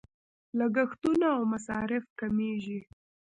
لګښتونه او مصارف کمیږي.